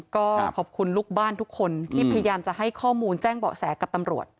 ก็ขอบคุณลูกบ้านทุกคนที่พยายามจะให้ข้อมูลแจ้งเบาะแสกับตำรวจ